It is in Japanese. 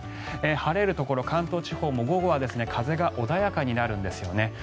晴れるところ、関東地方も午後は風が穏やかになるんですよね。